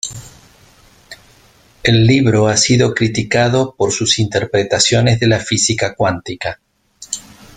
El libro ha sido criticado por sus interpretaciones de la física cuántica.